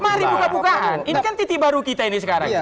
mari buka bukaan ini kan titik baru kita ini sekarang